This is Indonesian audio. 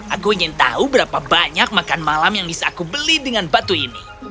aku ingin tahu berapa banyak makan malam yang bisa aku beli dengan batu ini